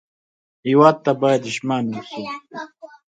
هېواد ته باید ژمن و اوسو